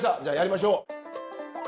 じゃあやりましょう。